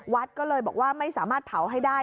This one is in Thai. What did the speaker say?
วัดก็เลยบอกว่าไม่สามารถเผาให้ได้